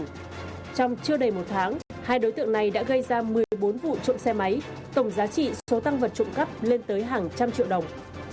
trong chưa đầy một tháng hai đối tượng này đã gây ra một mươi bốn vụ trộm xe máy tổng giá trị số tăng vật trộm cắp lên tới hàng trăm triệu đồng